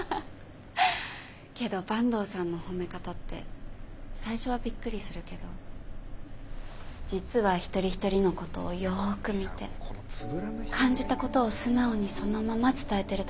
けど坂東さんの褒め方って最初はびっくりするけど実は一人一人のことをよく見て感じたことを素直にそのまま伝えてるだけなんだよね。